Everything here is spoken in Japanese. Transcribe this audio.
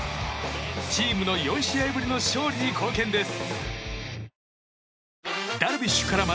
チームの４試合ぶりの勝利に貢献です。